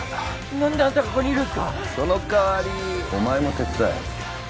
なんであんたがここにいるんすか⁉そのかわりお前も手伝え。